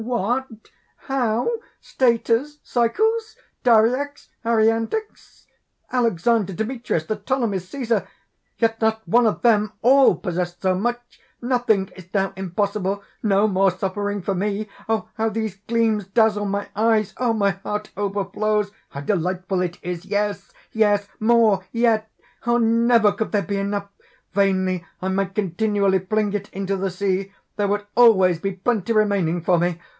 _) "What! how! Staters, cycles, dariacs, aryandics; Alexander, Demetrius, the Ptolemies, Cæsar! yet not one of them all possessed so much! Nothing is now impossible! no more suffering for me! how these gleams dazzle my eyes! Ah! my heart overflows! how delightful it is! yes yes! more yet! never could there be enough! Vainly I might continually fling it into the sea, there would always be plenty remaining for me.